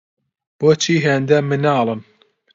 بۆچی هێندە مناڵن؟